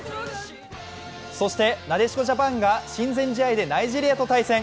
そして、なでしこジャパンが親善試合でナイジェリアと対戦。